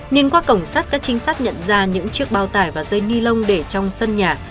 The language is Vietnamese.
nhìn qua cổng sát các trinh sát nhận ra những chiếc bao tải và dây ni lông để trong sân nhà